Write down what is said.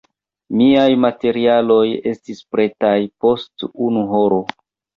Miaj materialoj estis pretaj post unu horo.